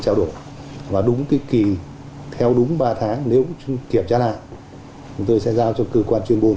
sẽ giao đổi và đúng cái kỳ theo đúng ba tháng nếu kiểm tra lại tôi sẽ giao cho cơ quan chuyên môn